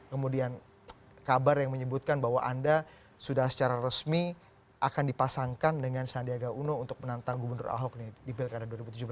kemudian kabar yang menyebutkan bahwa anda sudah secara resmi akan dipasangkan dengan sandiaga uno untuk menantang gubernur ahok di pilkada dua ribu tujuh belas